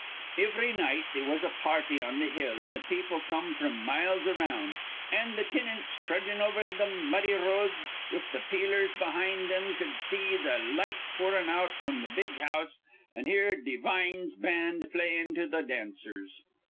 "Ivry night they was a party on th' hill, an' th' people come fr'm miles around; an' th' tinants trudgin' over th' muddy roads with th' peelers behind thim cud see th' light poorin' out fr'm th' big house an' hear Devine's band playin' to th' dancers.